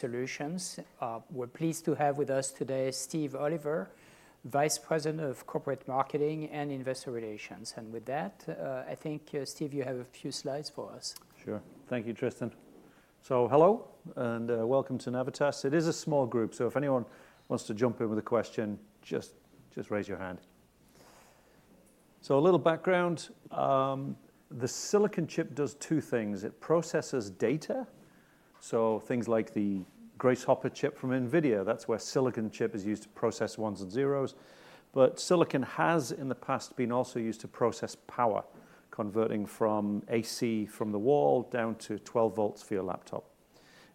solutions. We're pleased to have with us today Steve Oliver, Vice President of Corporate Marketing and Investor Relations, and with that, I think, Steve, you have a few slides for us. Sure. Thank you, Tristan. So hello, and welcome to Navitas. It is a small group, so if anyone wants to jump in with a question, just raise your hand. So a little background, the silicon chip does two things. It processes data, so things like the Grace Hopper chip from NVIDIA, that's where a silicon chip is used to process ones and zeros. But silicon has, in the past, been also used to process power, converting from AC from the wall down to 12 volts for your laptop.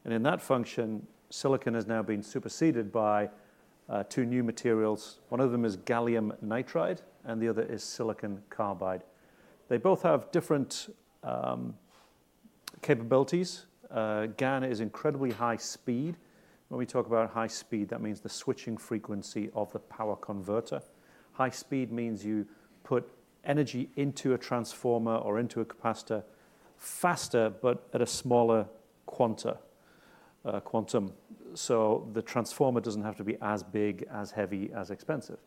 And in that function, silicon has now been superseded by two new materials. One of them is gallium nitride, and the other is silicon carbide. They both have different capabilities. GaN is incredibly high speed. When we talk about high speed, that means the switching frequency of the power converter. High speed means you put energy into a transformer or into a capacitor faster but at a smaller quanta, quantum. So the transformer doesn't have to be as big, as heavy, as expensive.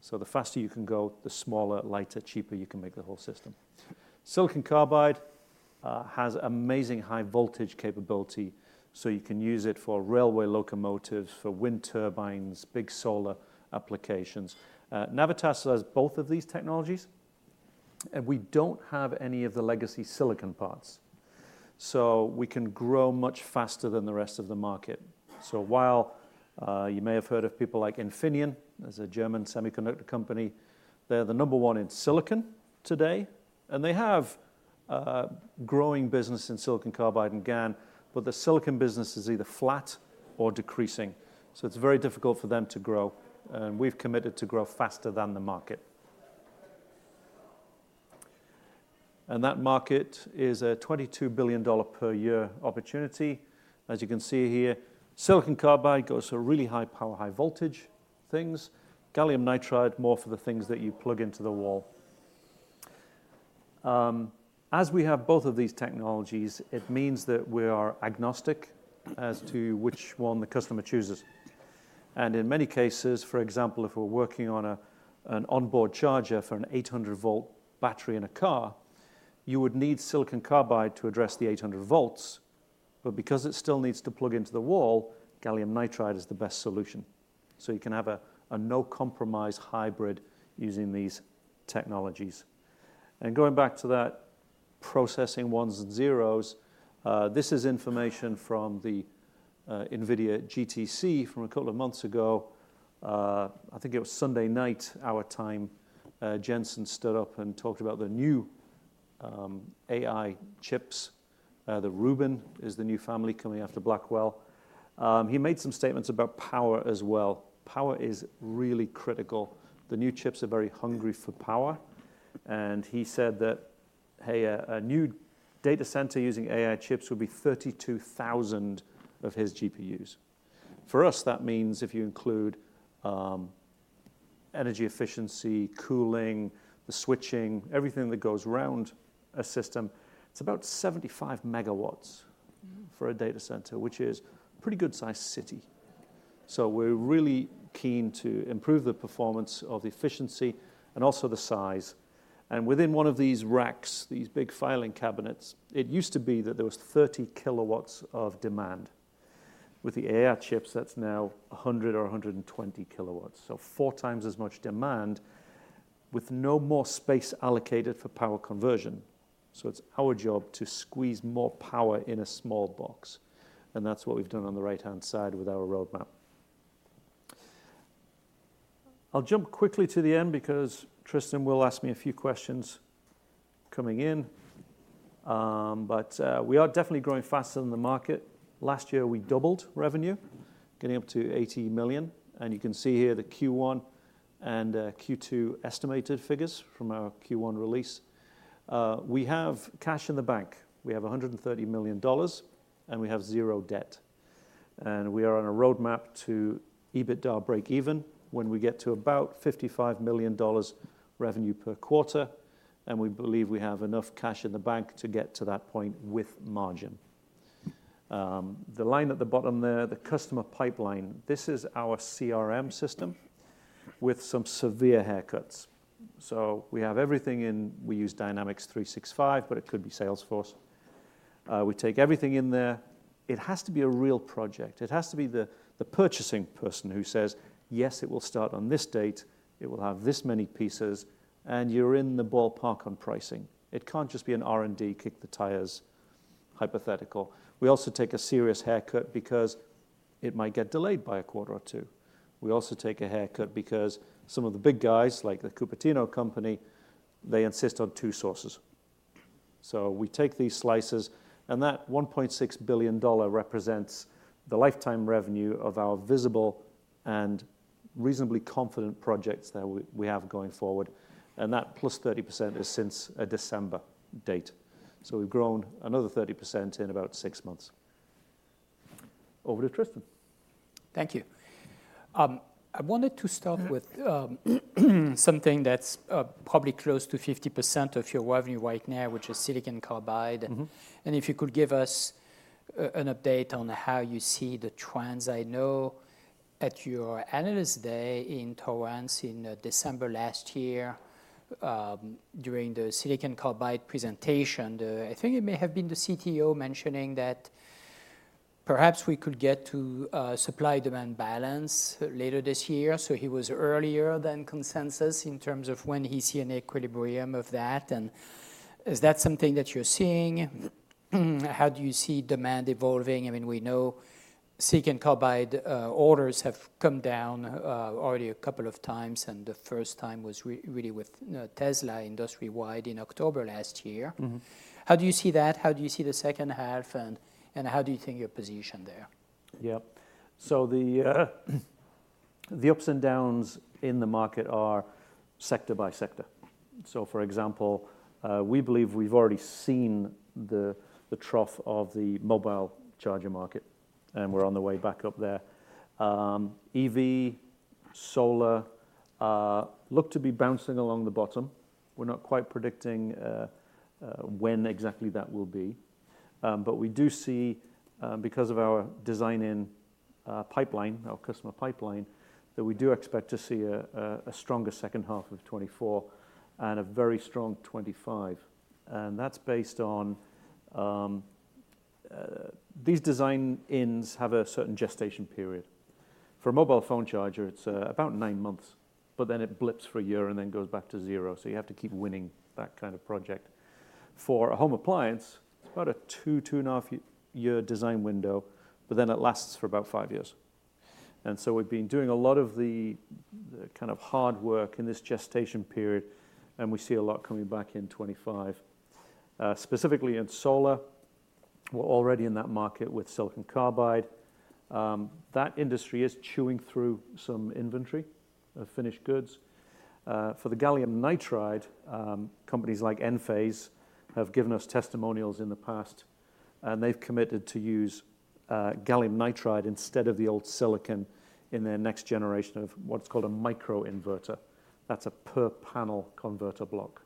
So the faster you can go, the smaller, lighter, cheaper you can make the whole system. Silicon carbide has amazing high voltage capability, so you can use it for railway locomotives, for wind turbines, big solar applications. Navitas has both of these technologies, and we don't have any of the legacy silicon parts, so we can grow much faster than the rest of the market. So while you may have heard of people like Infineon, that's a German semiconductor company, they're the number one in silicon today, and they have growing business in silicon carbide and GaN, but the silicon business is either flat or decreasing, so it's very difficult for them to grow, and we've committed to grow faster than the market. That market is a $22 billion per year opportunity. As you can see here, silicon carbide goes to really high power, high voltage things. Gallium nitride, more for the things that you plug into the wall. As we have both of these technologies, it means that we are agnostic as to which one the customer chooses, and in many cases, for example, if we're working on an onboard charger for an 800-volt battery in a car, you would need silicon carbide to address the 800 volts, but because it still needs to plug into the wall, gallium nitride is the best solution. So you can have a no-compromise hybrid using these technologies. And going back to that processing ones and zeros, this is information from the NVIDIA GTC from a couple of months ago. I think it was Sunday night our time, Jensen stood up and talked about the new AI chips. The Rubin is the new family coming after Blackwell. He made some statements about power as well. Power is really critical. The new chips are very hungry for power, and he said that, "Hey, a new data center using AI chips would be 32,000 of his GPUs." For us, that means if you include, energy efficiency, cooling, the switching, everything that goes around a system, it's about 75 MW for a data center, which is a pretty good sized city. So we're really keen to improve the performance of the efficiency and also the size, and within one of these racks, these big filing cabinets, it used to be that there was 30 kW of demand. With the AI chips, that's now 100 or 120 kW, so 4 times as much demand with no more space allocated for power conversion. So it's our job to squeeze more power in a small box, and that's what we've done on the right-hand side with our roadmap. I'll jump quickly to the end because Tristan will ask me a few questions coming in. But we are definitely growing faster than the market. Last year, we doubled revenue, getting up to $80 million, and you can see here the Q1 and Q2 estimated figures from our Q1 release. We have cash in the bank. We have $130 million, and we have 0 debt, and we are on a roadmap to EBITDA breakeven when we get to about $55 million revenue per quarter, and we believe we have enough cash in the bank to get to that point with margin. The line at the bottom there, the customer pipeline, this is our CRM system with some severe haircuts. So we have everything in... We use Dynamics 365, but it could be Salesforce. We take everything in there. It has to be a real project. It has to be the purchasing person who says, "Yes, it will start on this date, it will have this many pieces, and you're in the ballpark on pricing." It can't just be an R&D, kick-the-tires hypothetical. We also take a serious haircut because it might get delayed by a quarter or two. We also take a haircut because some of the big guys, like the Cupertino company, they insist on two sources. So we take these slices, and that $1.6 billion represents the lifetime revenue of our visible and reasonably confident projects that we have going forward, and that plus 30% is since a December date. So we've grown another 30% in about six months. Over to Tristan. Thank you. I wanted to start with something that's probably close to 50% of your revenue right now, which is silicon carbide. And if you could give us an update on how you see the trends. I know at your Analyst Day in Torrance in December last year, during the silicon carbide presentation, I think it may have been the CTO mentioning that perhaps we could get to a supply-demand balance later this year. So he was earlier than consensus in terms of when he see an equilibrium of that, and is that something that you're seeing? How do you see demand evolving? I mean, we know silicon carbide orders have come down already a couple of times, and the first time was really with Tesla industry-wide in October last year. How do you see that? How do you see the second half, and, and how do you think you're positioned there? Yeah. So the ups and downs in the market are sector by sector. So, for example, we believe we've already seen the trough of the mobile charger market, and we're on the way back up there. EV, solar, look to be bouncing along the bottom. We're not quite predicting when exactly that will be. But we do see, because of our design-in pipeline, our customer pipeline, that we do expect to see a stronger second half of 2024 and a very strong 2025, and that's based on these design-ins have a certain gestation period. For a mobile phone charger, it's about nine months, but then it blips for a year and then goes back to zero, so you have to keep winning that kind of project. For a home appliance, it's about a two- to two-and-a-half-year design window, but then it lasts for about five years. We've been doing a lot of the kind of hard work in this gestation period, and we see a lot coming back in 2025. Specifically in solar, we're already in that market with silicon carbide. That industry is chewing through some inventory of finished goods. For the gallium nitride, companies like Enphase have given us testimonials in the past, and they've committed to use gallium nitride instead of the old silicon in their next generation of what's called a microinverter. That's a per-panel converter block.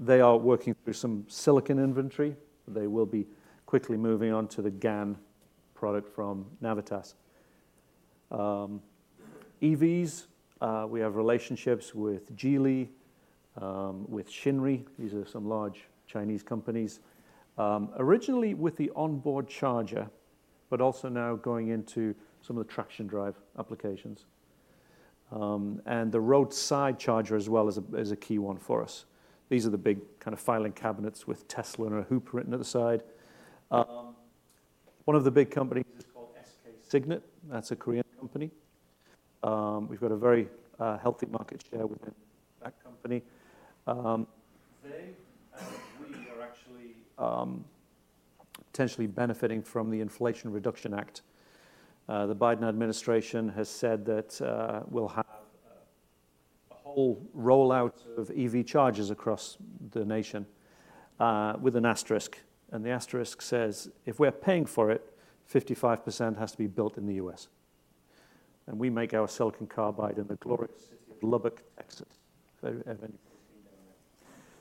They are working through some silicon inventory. They will be quickly moving on to the GaN product from Navitas. EVs, we have relationships with Geely, with Shinry. These are some large Chinese companies. Originally with the onboard charger, but also now going into some of the traction drive applications. The roadside charger as well is a key one for us. These are the big kind of filing cabinets with Tesla and a hoop written at the side. One of the big companies is called SK Signet. That's a Korean company. We've got a very healthy market share within that company. We are actually potentially benefiting from the Inflation Reduction Act. The Biden administration has said that we'll have a whole rollout of EV chargers across the nation, with an asterisk, and the asterisk says, "If we're paying for it, 55% has to be built in the U.S." And we make our silicon carbide in Lubbock, Texas. So even...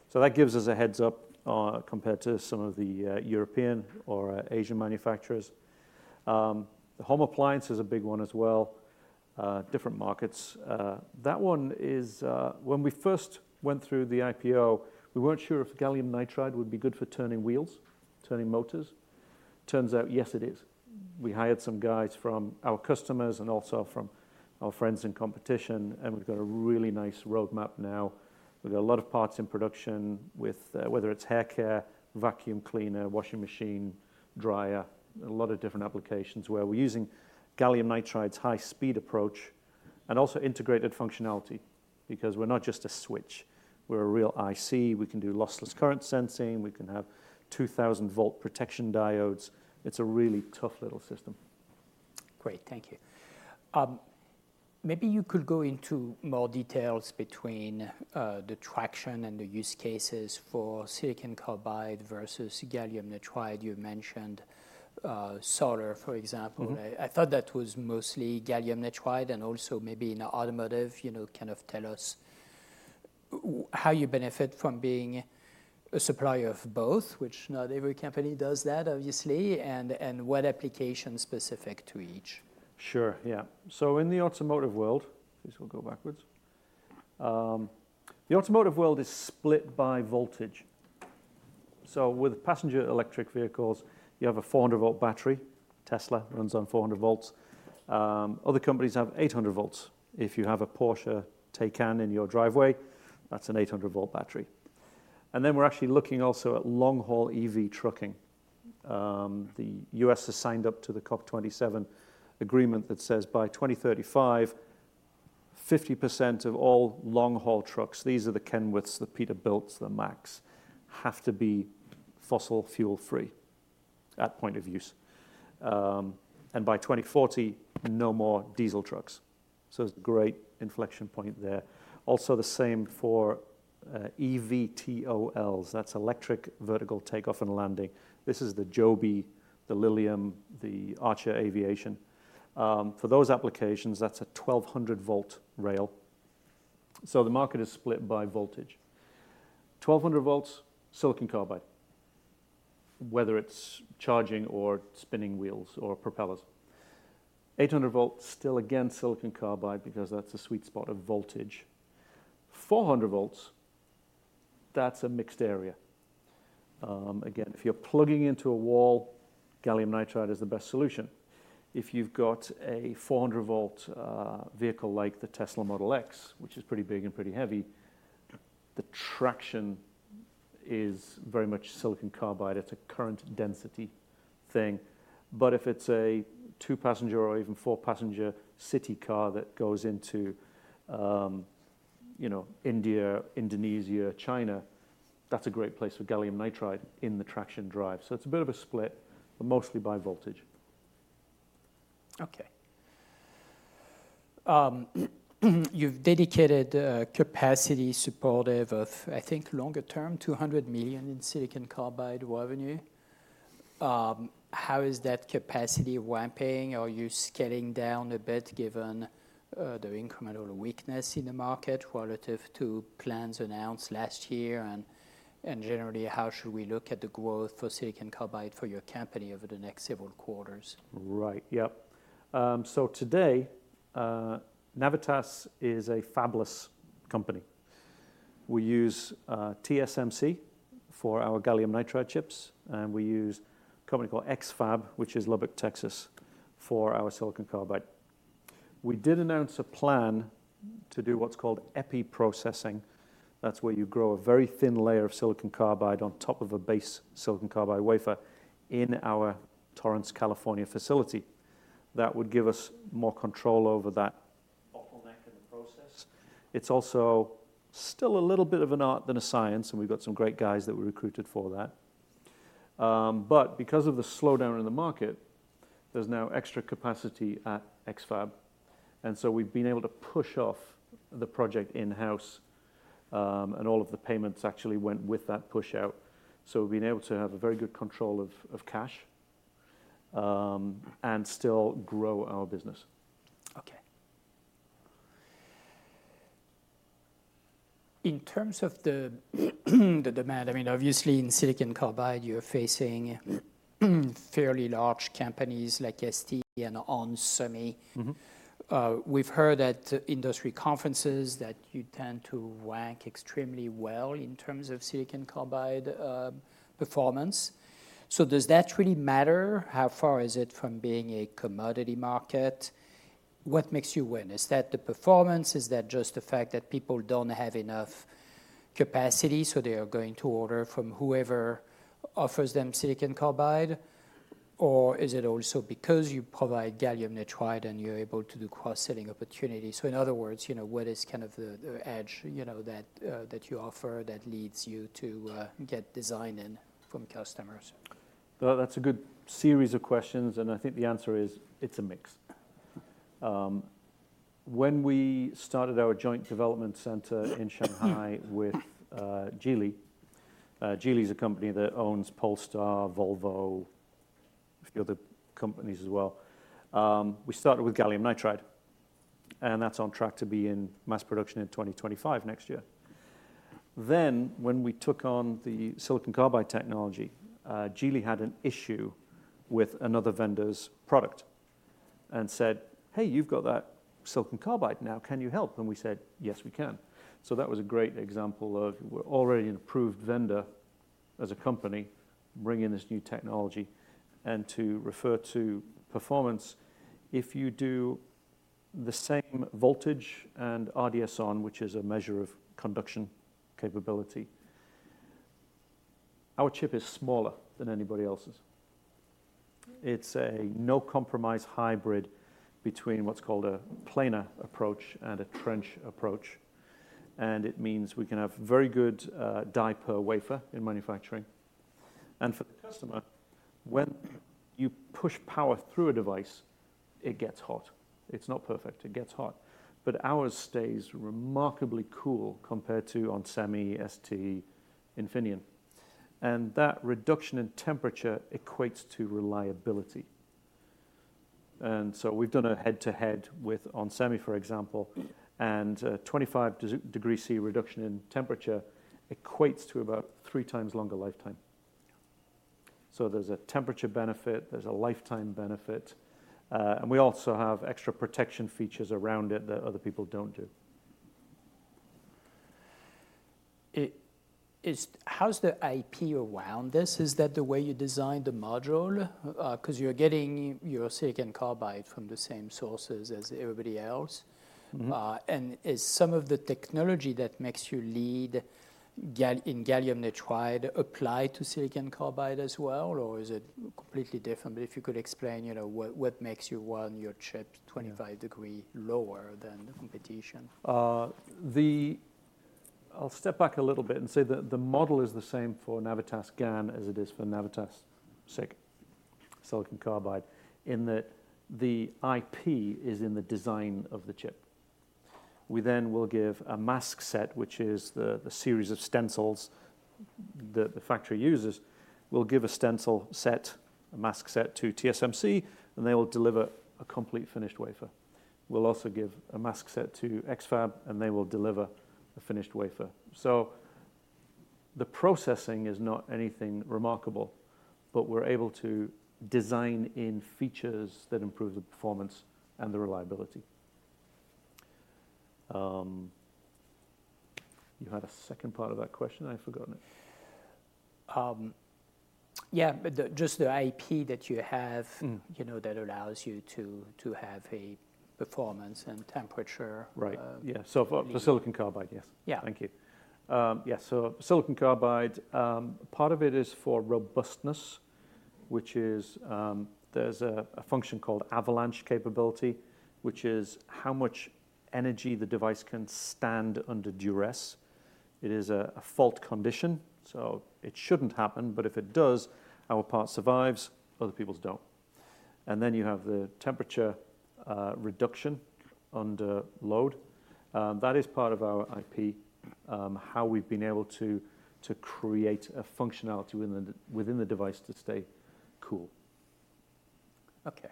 So that gives us a heads-up, compared to some of the European or Asian manufacturers. The home appliance is a big one as well. Different markets. When we first went through the IPO, we weren't sure if gallium nitride would be good for turning wheels, turning motors. Turns out, yes, it is. We hired some guys from our customers and also from our friends in competition, and we've got a really nice roadmap now. We've got a lot of parts in production with, whether it's haircare, vacuum cleaner, washing machine, dryer, a lot of different applications where we're using gallium nitride's high-speed approach and also integrated functionality because we're not just a switch. We're a real IC. We can do lossless current sensing. We can have 2,000-volt protection diodes. It's a really tough little system. Great. Thank you. Maybe you could go into more details between the traction and the use cases for silicon carbide versus gallium nitride. You mentioned solar, for example. I thought that was mostly gallium nitride and also maybe in automotive. You know, kind of tell us how you benefit from being a supplier of both, which not every company does that, obviously, and what application specific to each. Sure, yeah. So in the automotive world... This will go backwards. The automotive world is split by voltage. So with passenger electric vehicles, you have a 400-volt battery. Tesla runs on 400 volts. Other companies have 800 volts. If you have a Porsche Taycan in your driveway, that's an 800-volt battery. And then we're actually looking also at long-haul EV trucking. The U.S. has signed up to the COP 27 agreement that says by 2035, 50% of all long-haul trucks, these are the Kenworths, the Peterbilts, the Mack Trucks, have to be fossil fuel-free at point of use. And by 2040, no more diesel trucks. So it's a great inflection point there. Also the same for eVTOLs, that's electric, vertical take-off and landing. This is the Joby, the Lilium, the Archer Aviation. For those applications, that's a 1200-volt rail. So the market is split by voltage. 1200 volts, silicon carbide, whether it's charging or spinning wheels or propellers. 800 volts, still again, silicon carbide, because that's a sweet spot of voltage. 400 volts, that's a mixed area. Again, if you're plugging into a wall, gallium nitride is the best solution. If you've got a 400-volt vehicle like the Tesla Model X, which is pretty big and pretty heavy, the traction is very much silicon carbide. It's a current density thing. But if it's a 2-passenger or even 4-passenger city car that goes into, you know, India, Indonesia, China, that's a great place for gallium nitride in the traction drive. So it's a bit of a split, but mostly by voltage. Okay. You've dedicated, uh, capacity supportive of, I think, longer term, $200 million in silicon carbide revenue. How is that capacity ramping? Are you scaling down a bit, given, the incremental weakness in the market relative to plans announced last year? And generally, how should we look at the growth for silicon carbide for your company over the next several quarters? Right. Yep. So today, Navitas is a fabless company. We use TSMC for our gallium nitride chips, and we use a company called X-FAB, which is Lubbock, Texas, for our silicon carbide. We did announce a plan to do what's called Epi processing. That's where you grow a very thin layer of silicon carbide on top of a base silicon carbide wafer in our Torrance, California, facility. That would give us more control over that bottleneck in the process. It's also still a little bit of an art than a science, and we've got some great guys that we recruited for that. But because of the slowdown in the market, there's now extra capacity at X-FAB, and so we've been able to push off the project in-house, and all of the payments actually went with that push out. We've been able to have a very good control of cash, and still grow our business. Okay. In terms of the demand, I mean, obviously in silicon carbide, you're facing fairly large companies like ST and onsemi. We've heard at industry conferences that you tend to rank extremely well in terms of silicon carbide performance. So does that really matter? How far is it from being a commodity market? What makes you win? Is that the performance? Is that just the fact that people don't have enough capacity, so they are going to order from whoever offers them silicon carbide? Or is it also because you provide gallium nitride, and you're able to do cross-selling opportunities? So in other words, you know, what is kind of the edge, you know, that you offer that leads you to get design in from customers? Well, that's a good series of questions, and I think the answer is it's a mix. When we started our joint development center in Shanghai with Geely. Geely is a company that owns Polestar, Volvo, a few other companies as well. We started with gallium nitride, and that's on track to be in mass production in 2025, next year. Then, when we took on the silicon carbide technology, Geely had an issue with another vendor's product and said, "Hey, you've got that silicon carbide now, can you help?" And we said, "Yes, we can." So that was a great example of we're already an approved vendor as a company, bring in this new technology and to refer to performance. If you do the same voltage and RDS(on), which is a measure of conduction capability, our chip is smaller than anybody else's. It's a no-compromise hybrid between what's called a planar approach and a trench approach, and it means we can have very good, die per wafer in manufacturing. And for the customer, when you push power through a device, it gets hot. It's not perfect, it gets hot, but ours stays remarkably cool compared to onsemi, ST, Infineon, and that reduction in temperature equates to reliability. And so we've done a head-to-head with onsemi, for example, and, 25 degrees Celsius reduction in temperature equates to about three times longer lifetime. So there's a temperature benefit, there's a lifetime benefit, and we also have extra protection features around it that other people don't do. It's how's the IP around this? Is that the way you design the module? 'Cause you're getting your silicon carbide from the same sources as everybody else. Is some of the technology that makes you lead in gallium nitride apply to silicon carbide as well, or is it completely different? If you could explain, you know, what makes you run your chip 25 degrees lower than the competition. I'll step back a little bit and say that the model is the same for Navitas GaN as it is for Navitas SiC, silicon carbide, in that the IP is in the design of the chip. We then will give a mask set, which is the series of stencils that the factory uses. We'll give a stencil set, a mask set to TSMC, and they will deliver a complete finished wafer. We'll also give a mask set to X-FAB, and they will deliver a finished wafer. So the processing is not anything remarkable, but we're able to design in features that improve the performance and the reliability. You had a second part of that question, I've forgotten it. Yeah, just the IP that you have you know, that allows you to have a performance and temperature. Right. Yeah, so for silicon carbide, yes. Yeah. Thank you. Yeah, so silicon carbide, part of it is for robustness, which is, there's a function called avalanche capability, which is how much energy the device can stand under duress. It is a fault condition, so it shouldn't happen, but if it does, our part survives, other people's don't. And then you have the temperature reduction under load. That is part of our IP, how we've been able to create a functionality within the device to stay cool. Okay.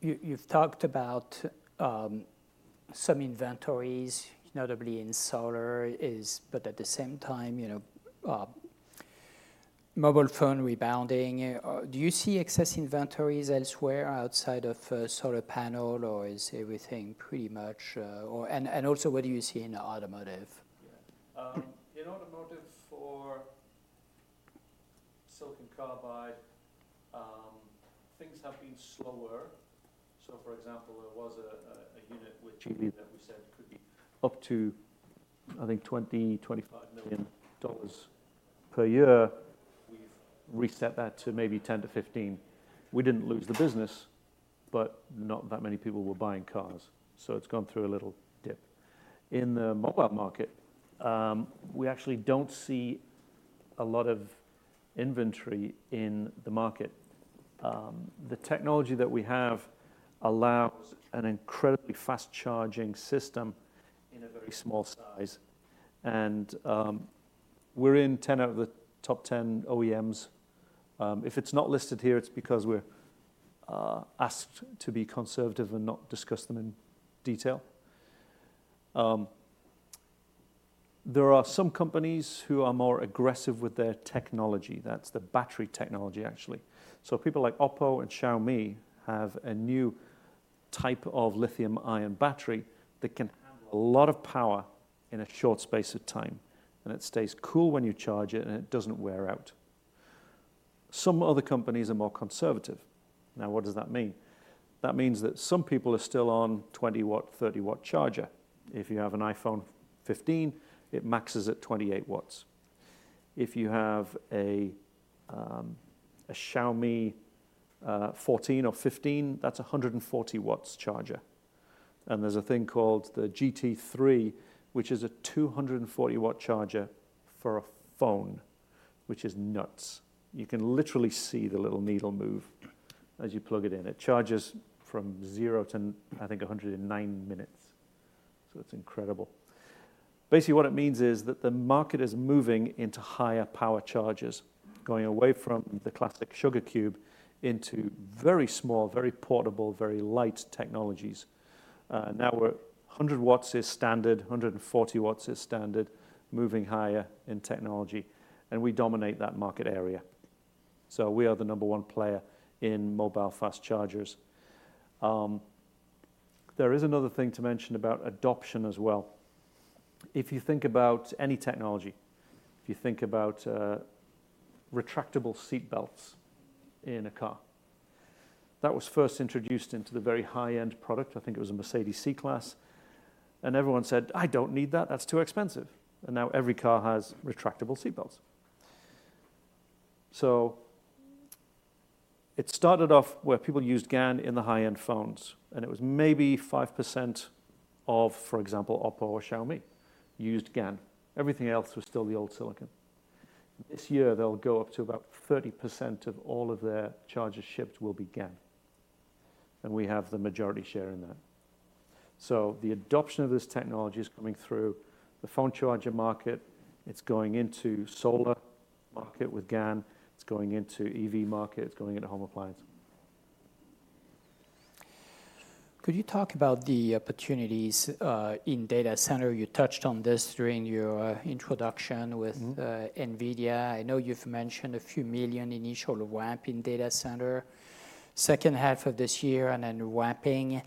You've talked about some inventories, notably in solar... But at the same time, you know, mobile phone rebounding. Do you see excess inventories elsewhere outside of solar panel, or is everything pretty much... Or, and also what do you see in automotive? Yeah. In automotive for silicon carbide, things have been slower. So, for example, there was a unit with GE that we said could be up to, I think, $20-$25 million per year. We've reset that to maybe $10-$15 million. We didn't lose the business, but not that many people were buying cars, so it's gone through a little dip. In the mobile market, we actually don't see a lot of inventory in the market. The technology that we have allows an incredibly fast charging system in a very small size, and we're in 10 out of the top 10 OEMs. If it's not listed here, it's because we're asked to be conservative and not discuss them in detail. There are some companies who are more aggressive with their technology. That's the battery technology, actually. So people like OPPO and Xiaomi have a new type of lithium-ion battery that can handle a lot of power in a short space of time, and it stays cool when you charge it, and it doesn't wear out. Some other companies are more conservative. Now, what does that mean? That means that some people are still on 20-watt, 30-watt charger. If you have an iPhone 15, it maxes at 28 watts. If you have a Xiaomi 14 or 15, that's a 140-watt charger. And there's a thing called the GT3, which is a 240-watt charger for a phone, which is nuts. You can literally see the little needle move as you plug it in. It charges from 0 to, I think, 100 in 9 minutes, so it's incredible. Basically, what it means is that the market is moving into higher power chargers, going away from the classic sugar cube into very small, very portable, very light technologies. Now 100-watts is standard, 140 watts is standard, moving higher in technology, and we dominate that market area. So we are the number one player in mobile fast chargers. There is another thing to mention about adoption as well. If you think about any technology, if you think about retractable seat belts in a car, that was first introduced into the very high-end product, I think it was a Mercedes C-Class, and everyone said, "I don't need that. That's too expensive." And now every car has retractable seat belts. So it started off where people used GaN in the high-end phones, and it was maybe 5% of, for example, OPPO or Xiaomi used GaN. Everything else was still the old silicon. This year, they'll go up to about 30% of all of their chargers shipped will be GaN, and we have the majority share in that. So the adoption of this technology is coming through the phone charger market. It's going into solar market with GaN, it's going into EV market, it's going into home appliance. Could you talk about the opportunities in data center? You touched on this during your introduction with NVIDIA. I know you've mentioned a few million initial ramp in data center, second half of this year and then ramping.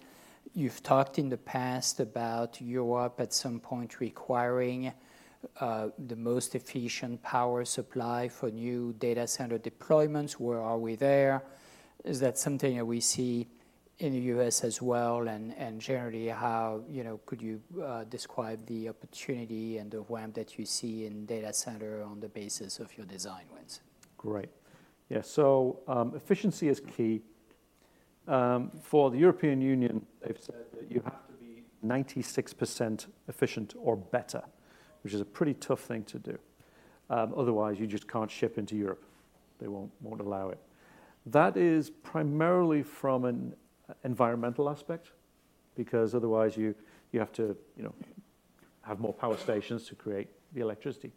You've talked in the past about Europe at some point requiring the most efficient power supply for new data center deployments. Where are we there? Is that something that we see in the U.S. as well, and, and generally, how, you know, could you describe the opportunity and the ramp that you see in data center on the basis of your design wins? Great. Yeah, so, efficiency is key. For the European Union, they've said that you have to be 96% efficient or better, which is a pretty tough thing to do. Otherwise, you just can't ship into Europe. They won't, won't allow it. That is primarily from an environmental aspect, because otherwise you have to, you know, have more power stations to create the electricity.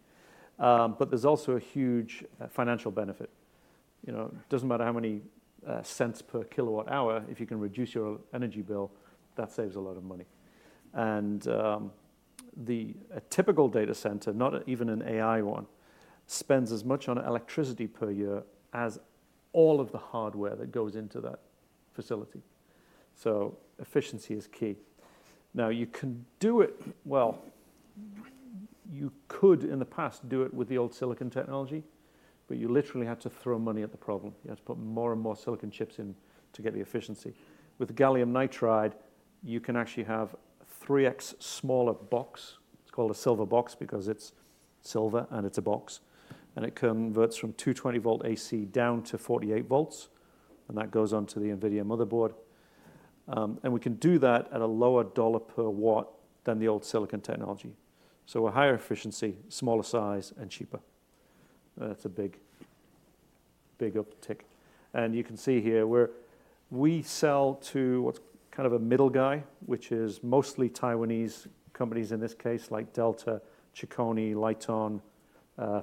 But there's also a huge financial benefit. You know, it doesn't matter how many cents per kilowatt hour, if you can reduce your energy bill, that saves a lot of money. And, a typical data center, not even an AI one, spends as much on electricity per year as all of the hardware that goes into that facility. So efficiency is key. Now, you can do it, well, you could, in the past, do it with the old silicon technology, but you literally had to throw money at the problem. You had to put more and more silicon chips in to get the efficiency. With gallium nitride, you can actually have a 3x smaller box. It's called a silver box because it's silver, and it's a box, and it converts from 220-volt AC down to 48 volts, and that goes on to the NVIDIA motherboard. And we can do that at a lower dollars-per-watt than the old silicon technology. So a higher efficiency, smaller size, and cheaper. That's a big, big uptick. You can see here where we sell to what's kind of a middle guy, which is mostly Taiwanese companies in this case, like Delta, Chicony, Lite-On,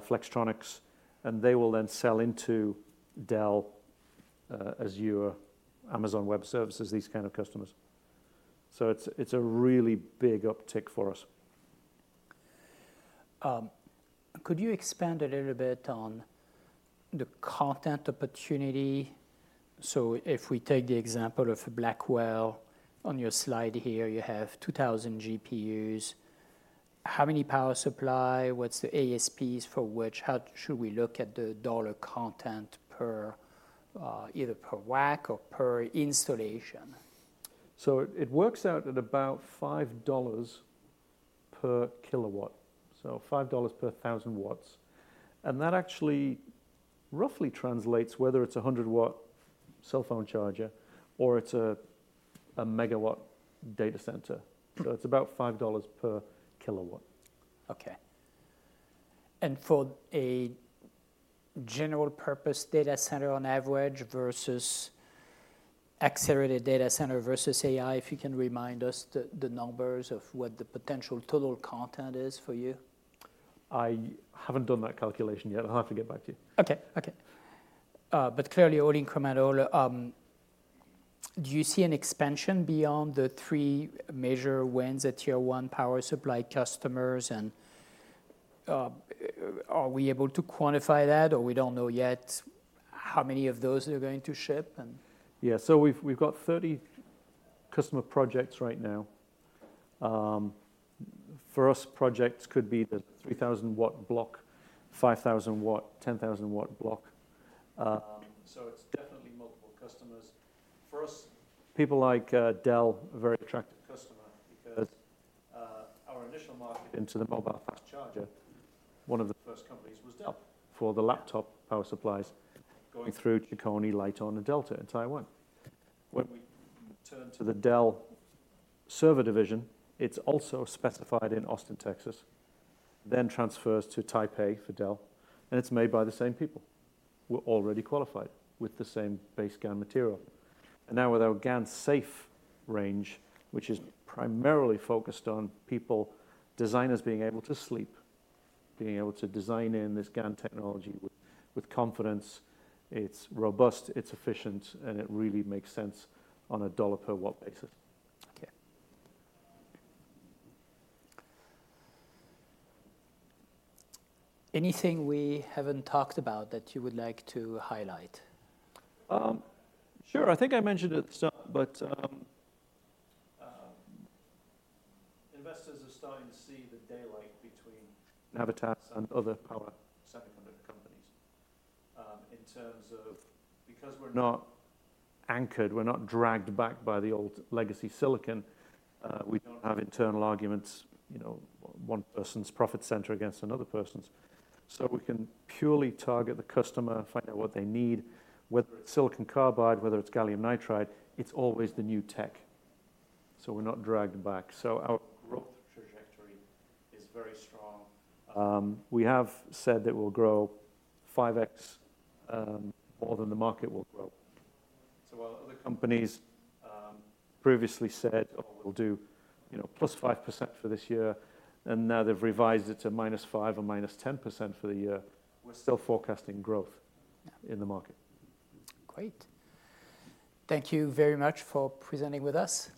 Flex, and they will then sell into Dell, Azure, Amazon Web Services, these kind of customers. So it's a really big uptick for us. Could you expand a little bit on the content opportunity? So if we take the example of Blackwell, on your slide here, you have 2000 GPUs. How many power supply? What's the ASPs for which? How should we look at the $ content per, either per rack or per installation? So it works out at about $5 per kW, so $5 per 1,000 W. And that actually roughly translates whether it's a 100-W cell phone charger or it's a 1-MW data center. So it's about $5 per kW. Okay. For a general purpose data center on average versus accelerated data center versus AI, if you can remind us the numbers of what the potential total content is for you? I haven't done that calculation yet. I'll have to get back to you. Okay. Okay, but clearly, all incremental. Do you see an expansion beyond the three major wins at tier one power supply customers, and are we able to quantify that, or we don't know yet how many of those are going to ship and. Yeah. So we've, we've got 30 customer projects right now. For us, projects could be the 3,000-watt block, 5,000-watt, 10,000-watt block. So it's definitely multiple customers. For us, people like, Dell, a very attractive customer because, our initial market into the mobile fast charger, one of the first companies was Dell for the laptop power supplies going through Chicony, Lite-On, and Delta in Taiwan. When we turned to the Dell server division, it's also specified in Austin, Texas, then transfers to Taipei for Dell, and it's made by the same people. We're already qualified with the same base GaN material. And now with our GaNSafe range, which is primarily focused on people, designers being able to sleep, being able to design in this GaN technology with, with confidence. It's robust, it's efficient, and it really makes sense on a dollar-per-watt basis. Okay. Anything we haven't talked about that you would like to highlight? Sure. I think I mentioned it at the start, but investors are starting to see the daylight between Navitas and other power semiconductor companies. In terms of, because we're not anchored, we're not dragged back by the old legacy silicon, we don't have internal arguments, you know, one person's profit center against another person's. So we can purely target the customer, find out what they need, whether it's silicon carbide, whether it's gallium nitride, it's always the new tech, so we're not dragged back. So our growth trajectory is very strong. We have said that we'll grow 5x more than the market will grow. So while other companies previously said, "Oh, we'll do, you know, +5% for this year," and now they've revised it to -5% or -10% for the year, we're still forecasting growth. Yeah. In the market. Great. Thank you very much for presenting with us.